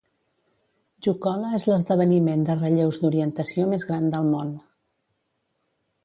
Jukola és l'esdeveniment de relleus d'orientació més gran de món.